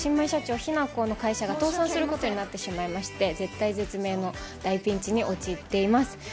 私が演じる新米社長・雛子の会社が倒産することになってしまいまして、絶体絶命の大ピンチに陥っています。